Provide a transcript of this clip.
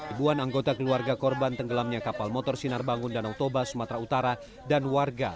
ibuan anggota keluarga korban tenggelamnya kapal motor sinar bangun danau toba sumatera utara dan warga